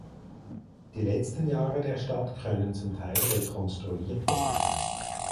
Die letzten Jahre der Stadt können zum Teil rekonstruiert werden.